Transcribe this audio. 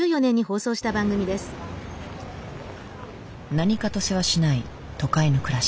何かとせわしない都会の暮らし。